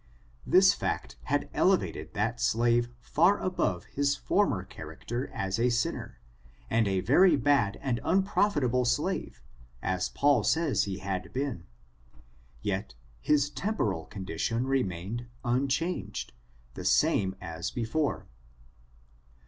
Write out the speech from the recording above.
This fact had elevated that slave far above his form er character as a sinner, and a very bad and unprof itable slave, as Paul says he had been ; yet, his tem^ parol condition remained unchanged, the same as before.